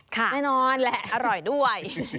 แน่นอนแหละอร่อยด้วย